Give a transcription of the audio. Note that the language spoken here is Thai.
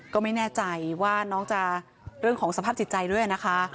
ก็ไม่แน่ใจว่าน้องจะเรื่องของสภาพจิตใจด้วยนะคะ